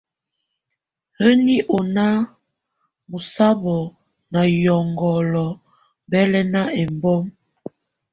Həní ɔná mɔsábɔ na yɔngɔlɔ bɛ́lɛ́na ɛ́mbɔm.